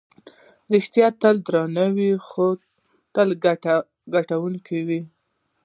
ریښتیا تل دروند وي، خو تل ګټونکی وي.